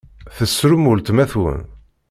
Tessrum weltma-twen!